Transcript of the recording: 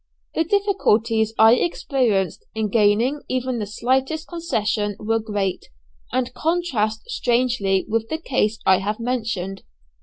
The difficulties I experienced in gaining even the slightest concession were great, and contrast strangely with the case I have mentioned.